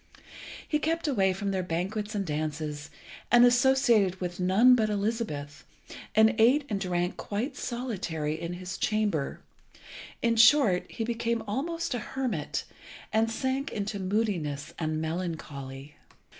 He kept away from their banquets and dances, and associated with none but Elizabeth, and ate and drank quite solitary in his chamber. In short, he became almost a hermit, and sank into moodiness and melancholy.